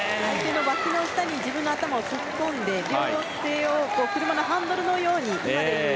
わきの下に自分の頭を突っ込んで両手を車のハンドルのように。